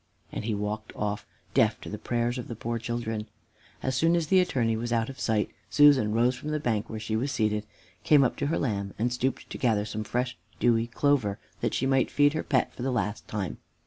And he walked off, deaf to the prayers of the poor children. As soon as the Attorney was out of sight, Susan rose from the bank where she was seated, came up to her lamb, and stooped to gather some of the fresh dewy clover, that she might feed her pet for the last time.